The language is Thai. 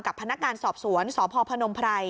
กับพนักงานสอบสวนสพพนม